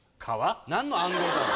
何の暗号だよ！